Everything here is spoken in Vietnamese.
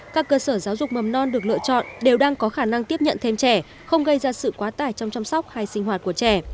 các cơ sở giáo dục mầm non được lựa chọn đều đang có khả năng tiếp nhận thêm trẻ không gây ra sự quá tải trong chăm sóc hay sinh hoạt của trẻ